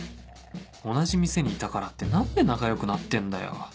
同じ店にいたからって何で仲良くなってんだよ